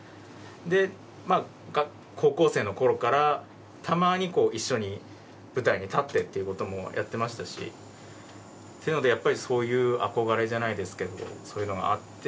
まあ高校生のころからたまに一緒に舞台に立ってっていうこともやってましたしっていうのでやっぱりそういう憧れじゃないですけどそういうのがあって